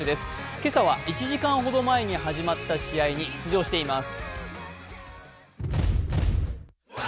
今朝は１時間ほど前に始まった試合に出場しています。